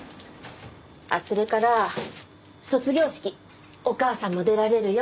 あっそれから卒業式お母さんも出られるよ。